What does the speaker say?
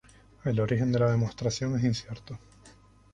El origen de la demostración es incierto.